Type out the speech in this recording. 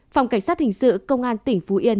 phòng cảnh sát hình sự công an tỉnh phú yên